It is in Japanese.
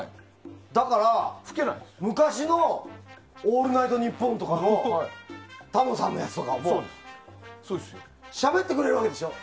だから、昔の「オールナイトニッポン」とかのタモさんのやつとかもしゃべってくれるわけでしょ？